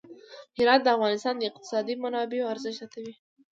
هرات د افغانستان د اقتصادي منابعو ارزښت زیاتوي.